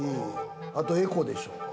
あとエコでしょ？